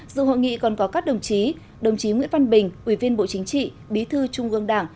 dự hội nghị còn có các đồng chí đồng chí nguyễn văn bình ủy viên bộ chính trị bí thư trung ương đảng